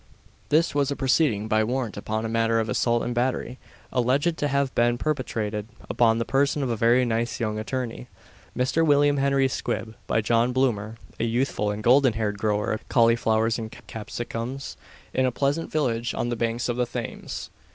This was a proceeding by warrant upon a matter of assault and battery, alleged to have been perpetrated upon the person of a very nice young attorney, Mr. William Henry Squibb, by John Bloomer, a youthful and golden haired grower of cauliflowers and capsicums, in a pleasant village on the banks of the Thames.